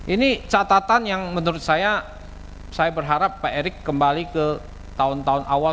ini catatan yang menurut saya saya berharap pak erick kembali ke tahun tahun awal